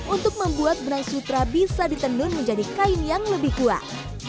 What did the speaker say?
untuk membuat benang sutra bisa ditenun menjadi kain yang lebih kuat